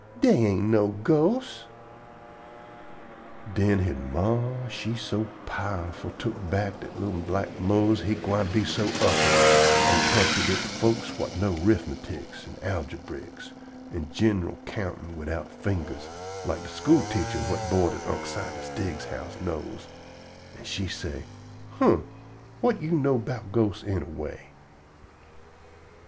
dey ain't no ghosts." Den he ma she powerful took back dat li'l black Mose he gwine be so upotish an' contrydict folks whut know 'rifmeticks an' algebricks an' gin'ral countin' widout fingers, like de school teacher whut board at Unc' Silas Diggs's house knows, an' she say: "Huh; whut you know 'bout ghosts, anner way?"